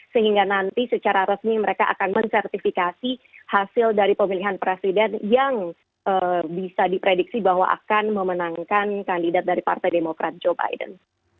sehingga nanti secara resmi mereka akan mensertifikasi hasil dari pemilihan presiden yang bisa diprediksi bahwa akan memenangkan kandidat dari partai demokrat joe biden